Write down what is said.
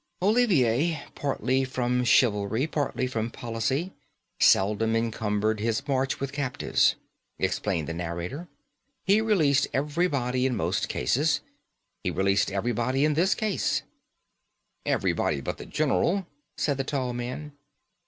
"Olivier, partly from chivalry, partly from policy, seldom encumbered his march with captives," explained the narrator. "He released everybody in most cases. He released everybody in this case." "Everybody but the general," said the tall man.